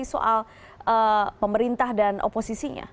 basenya masih soal pemerintah dan oposisinya